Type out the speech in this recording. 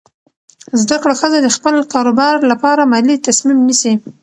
زده کړه ښځه د خپل کاروبار لپاره مالي تصمیم نیسي.